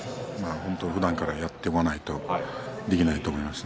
ふだんからやっていないとできないと思いますね。